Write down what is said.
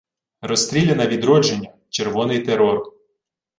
Розстріляне відродження, червоний терор